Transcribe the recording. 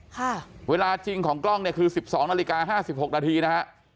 ค่ะเวลาจริงของกล้องเนี่ยคือสิบสองนาฬิกาห้าสิบหกนาทีนะฮะ